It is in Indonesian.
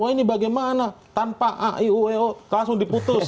oh ini bagaimana tanpa aiueo langsung diputus